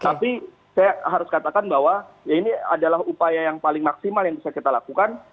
tapi saya harus katakan bahwa ini adalah upaya yang paling maksimal yang bisa kita lakukan